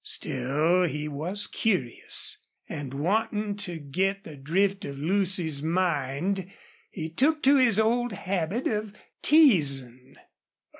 Still he was curious, and, wanting to get the drift of Lucy's mind, he took to his old habit of teasing.